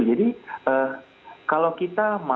jadi kalau kita mau